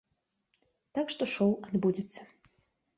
Так што шоў адбудзецца.